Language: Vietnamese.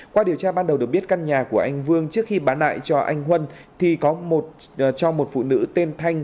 qua điều tra ban đầu được biết căn nhà của anh vương trước khi bán lại cho anh huân thì cho một phụ nữ tên thanh